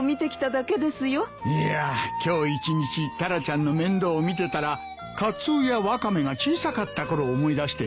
いや今日１日タラちゃんの面倒を見てたらカツオやワカメが小さかった頃を思い出してな。